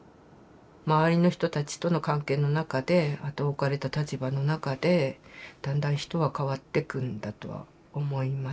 周りの人たちとの関係の中であと置かれた立場の中でだんだん人は変わってくんだとは思います。